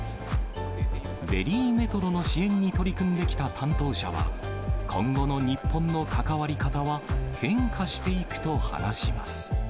デリーメトロの支援に取り組んできた担当者は、今後の日本の関わり方は、変化していくと話します。